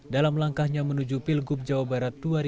dalam langkahnya menuju pilgub jawa barat